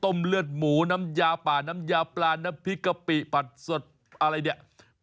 ต้มเลือดหมูน้ำยาปลานน้ำยาปลานมีกาปิปัดสดอะไรเนี่ย